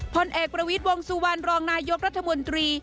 พลเอกประวิทย์วงสุวรรณรองนายกรัฐมนตรี